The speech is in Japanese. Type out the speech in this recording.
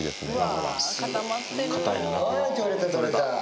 ほら取れた取れた。